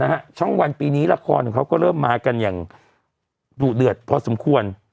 ช่องวันปีนี้ละครของเขาก็เริ่มมากันอย่างดุเดือดพอสมควร